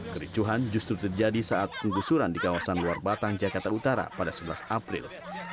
kericuhan justru terjadi saat penggusuran di kawasan luar batang jakarta utara pada sebelas april